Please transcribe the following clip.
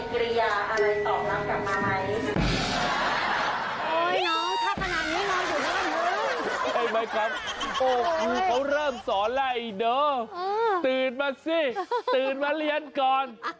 ครับโอ้คือเขาเริ่มสอนแล้วไอ้เนาะตื่นมาสิตื่นมาเรียนก่อน